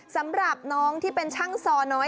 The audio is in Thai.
สำหรับน้องที่เป็นช่างซอน้อย